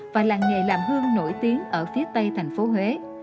và làng nghề làm hương nổi tiếng ở phía tây thành phố huế